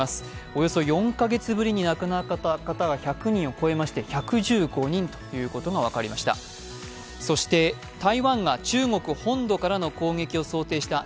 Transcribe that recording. およそ４カ月ぶりに亡くなった方が１００人を超えまして１１５人ということが分かりました。